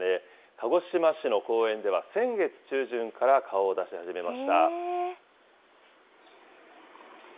鹿児島市の公園では、先月中旬から顔を出し始めました。